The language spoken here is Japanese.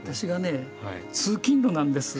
ああ通勤路なんですね。